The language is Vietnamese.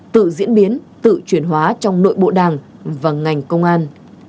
tự diễn biến tự chuyển hóa trong nội bộ đảng và ngành công an